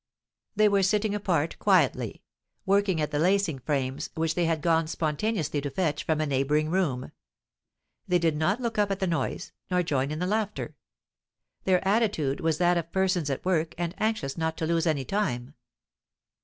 They were sitting apart quietly, working at the lacing frames which they had gone spontaneously to fetch from a neighboring room; they did not look up at the noise, nor join in the laughter. Their attitude was that of persons at work and anxious not to lose any time.